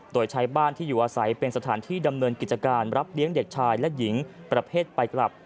โดยใช้บ้านที่อยู่อาศัยเป็นสถานที่ดำเนินกิจการรับเลี้ยงเด็กชายและหญิงประเภทไปกลับ